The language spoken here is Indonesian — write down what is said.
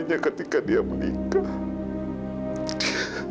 kecuali ketika dia menikah